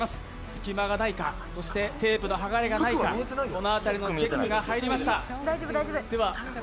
隙間がないか、テープの剥がれがないかこの辺りのチェックが入りました。